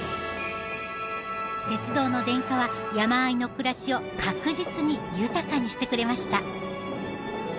鉄道の電化は山あいの暮らしを確実に豊かにしてくれました。